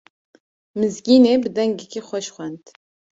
Mizgînê bi dengekî xweş xwend.